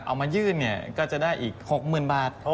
เอามายื่นก็จะได้อีก๖๐๐๐บาท